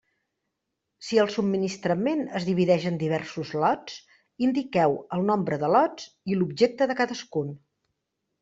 Si el subministrament es divideix en diversos lots, indiqueu el nombre de lots i l'objecte de cadascun.